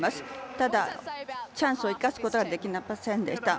ただ、チャンスを生かすことはできませんでした。